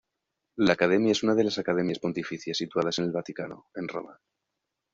La academia es una de las Academias Pontificias situadas en el Vaticano, en Roma.